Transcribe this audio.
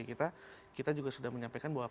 kita juga sudah menyampaikan bahwa